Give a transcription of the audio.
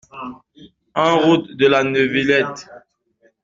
un route de la Neuvillette